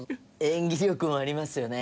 演技力もありますよねえ。